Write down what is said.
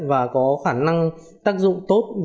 và có khả năng tác dụng tốt